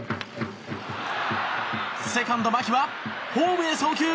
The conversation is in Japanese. セカンドの牧はホームへ送球！